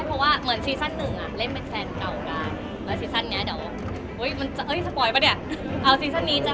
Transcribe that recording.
เพราะไม่อยากทุกคนไปเสียความว่าโอ้เหมือนซีรีส์อีกแล้ว